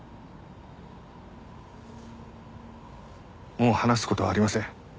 もう話す事はありません。